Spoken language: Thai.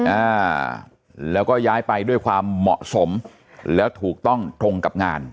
อ่าแล้วก็ย้ายไปด้วยความเหมาะสมแล้วถูกต้องตรงกับงาน